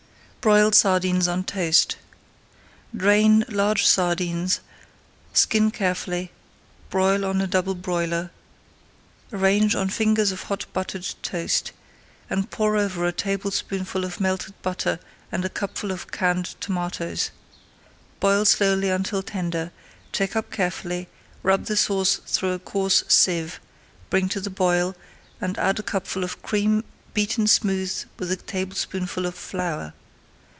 BROILED SARDINES ON TOAST Drain large sardines, skin carefully, broil on a double broiler, arrange on fingers of hot buttered toast, and pour over a tablespoonful of melted butter and a cupful of canned tomatoes. Boil slowly until [Page 314] tender, take up carefully, rub the sauce through a coarse sieve, bring to the boil, and add a cupful of cream beaten smooth with a tablespoonful of flour.